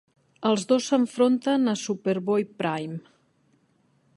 Els dos s'enfronten a Superboy-Prime.